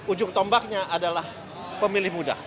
ujung tombaknya adalah pemilih muda